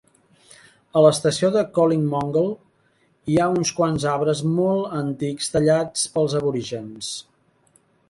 A l'estació de Collymongle hi ha uns quants arbres molt antics tallats pels aborígens.